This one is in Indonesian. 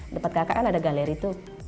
dapat kakak kan ada galeri tuh